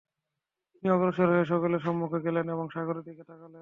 তিনি অগ্রসর হয়ে সকলের সম্মুখে গেলেন এবং সাগরের দিকে তাকালেন।